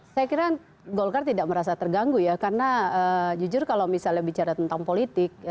saya kira golkar tidak merasa terganggu ya karena jujur kalau misalnya bicara tentang politik